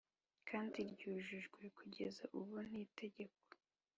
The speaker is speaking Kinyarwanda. kandi ryujujwe kugeza ubu n Itegeko